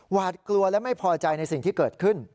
หวาดกลัวและไม่พอใจในสิ่งที่เกิดขึ้น